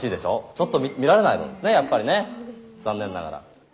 ちょっと見られないもんですねやっぱりね。残念ながら。